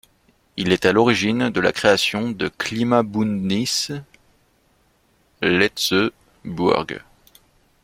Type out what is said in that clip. Il est à l'origine de la création de Klimabündnis Lëtzebuerg.